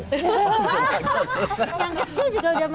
yang kecil juga udah mau selesai